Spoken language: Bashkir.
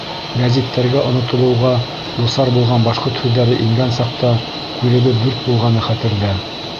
Гәзиттәргә онотолоуға дусар булған башҡорт һүҙҙәре ингән саҡта күҙебеҙ дүрт булғаны хәтерҙә.